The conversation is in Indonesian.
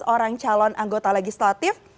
lima belas orang calon anggota legislatif